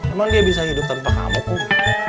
emang dia bisa hidup tanpa kamu kom